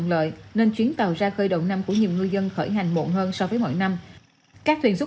nói chung giờ là ngày tốt quá